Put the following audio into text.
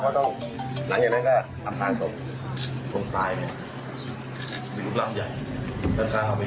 ข้างหน้านี้มีเอ่อตัวน้ำมีอยู่หลังตัวแล้ว